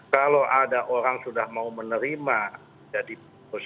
kalau ada orang yang menerima menjadi pengurus nu